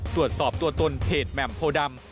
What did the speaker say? ตรวจสอบตัวตนเพจแหม่มโพดำ